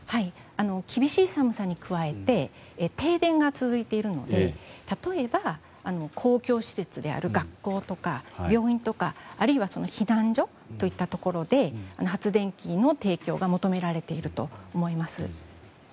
厳しい寒さに加えて停電が続いているので例えば、公共施設である学校とか病院とか、あるいは避難所といったところで発電機の提供が求められていると思います。